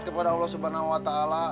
kepada allah swt